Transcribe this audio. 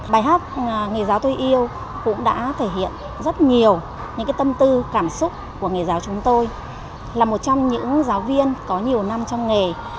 bài hát người giáo tôi yêu cũng đã thể hiện rất nhiều những tâm tư cảm xúc của người giáo chúng tôi